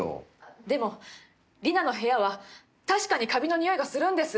でも里奈の部屋は確かにカビのニオイがするんです